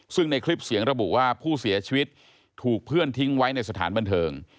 ซึ่งในคลิปเสียงระบุว่าผู้เสียชีวิตถูกเพื่อนทิ้งไว้ในสถานบันเทิง